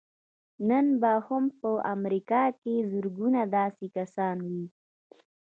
نن به هم په امريکا کې زرګونه داسې کسان وي.